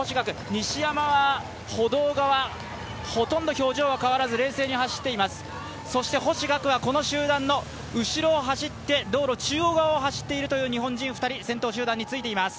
西山は歩道側ほとんど表情は変わらず冷静に走っています、そして星岳はこの集団の後ろを走って道路中央側を走っているところです